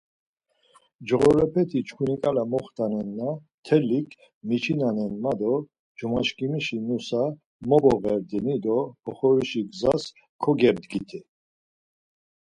Coğorepeti çkuniǩala komextanna mtelik miçinanen ma do cumadiçkimişi nusa moboğerdini do oxorişi gzas kogebdgiti.